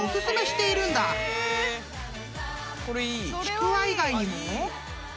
［ちくわ以外にも］